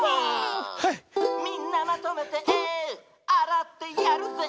「みんなまとめてあらってやるぜ」